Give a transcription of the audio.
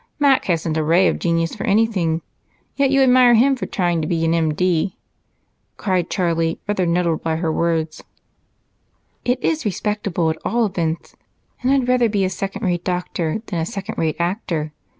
Mac hasn't a ray of genius for anything, yet you admire him for trying to be an M.D.," cried Charlie, rather nettled at her words. "It is respectable, at all events, and I'd rather be a second rate doctor than a second rate actor.